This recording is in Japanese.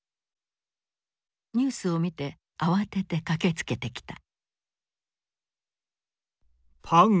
ニュースを見て慌てて駆けつけてきた。